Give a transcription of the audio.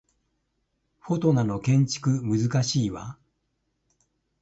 フォトナの建築難しいわ